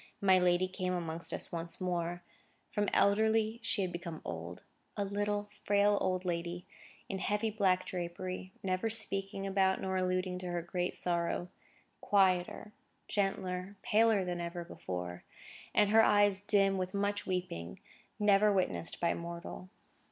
My lady came amongst us once more. From elderly she had become old; a little, frail, old lady, in heavy black drapery, never speaking about nor alluding to her great sorrow; quieter, gentler, paler than ever before; and her eyes dim with much weeping, never witnessed by mortal.